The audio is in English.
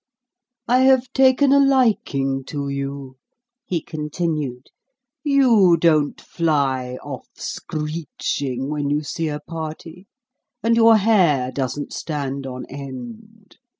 "I have taken a liking to you," he continued; "you don't fly off, screeching, when you see a party, and your hair doesn't stand on end.